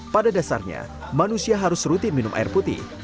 pada dasarnya manusia harus rutin minum air putih